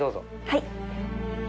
はい。